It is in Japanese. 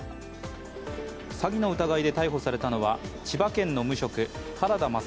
詐欺の疑いで逮捕されたのは千葉県の無職、原田勝